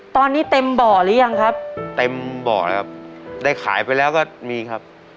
ตอนนี้เต็มบ่อหรือยังครับเต็มบ่อเลยครับได้ขายไปแล้วก็มีครับ